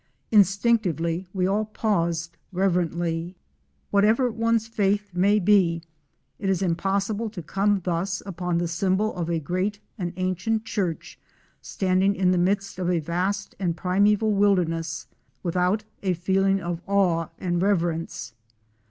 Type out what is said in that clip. Instinctively we all paused reverently. Whatever one's faith may be, it is impossible to come thus upon the symbol of a great and ancient church, standing in the midst of a vast and primeval wilderness, without a feeling of awe and reverence.